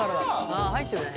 ああ入ってるね。